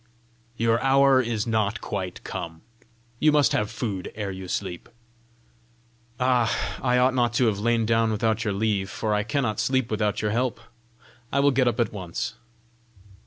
"Your hour is not quite come. You must have food ere you sleep." "Ah, I ought not to have lain down without your leave, for I cannot sleep without your help! I will get up at once!"